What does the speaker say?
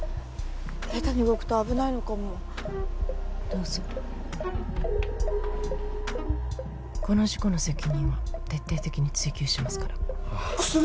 下手に動くと危ないのかもどうぞこの事故の責任は徹底的に追及しますからああ薬？